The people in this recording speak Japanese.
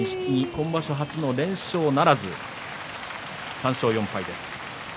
今場所、連勝ならず３勝４敗です。